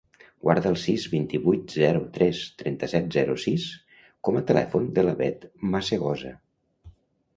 Guarda el sis, vint-i-vuit, zero, tres, trenta-set, zero, sis com a telèfon de la Beth Masegosa.